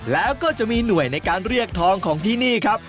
แล้วก็จะมีหน่วยในการเรียกทองของที่นี่ครับ